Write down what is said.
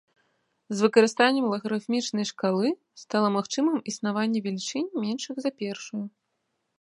З выкарыстаннем лагарыфмічнай шкалы стала магчымым існаванне велічынь, меншых за першую.